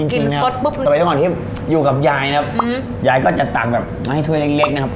กลิ่นซดปุ๊บนึงนะครับตอนที่อยู่กับยายนะครับยายก็จะตักแบบเอาให้ถุยเล็กนะครับ